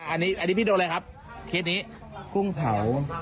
อันนี้พี่ดูอะไรครับเคสนี้